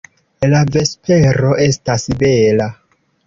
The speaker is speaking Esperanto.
La vespero estas bela!